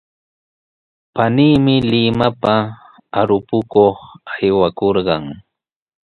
Paniimi Limapa arupakuq aywakurqan.